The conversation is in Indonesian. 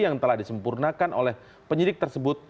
yang telah disempurnakan oleh penyidik tersebut